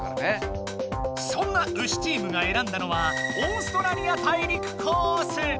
そんなウシチームがえらんだのはオーストラリア大陸コース。